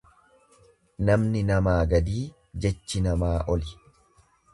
Namni namaa gadii jechi namaa oli.